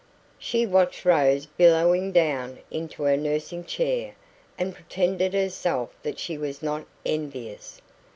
She watched Rose billowing down into her nursing chair, and pretended to herself that she was not envious.